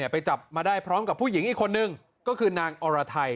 ไปจับมาได้พร้อมกับผู้หญิงอีกคนนึงก็คือนางอรไทย